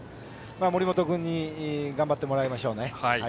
森本君に頑張ってもらいましょう。